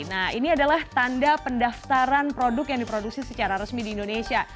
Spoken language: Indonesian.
nah ini adalah tanda pendaftaran produk yang diproduksi secara resmi di indonesia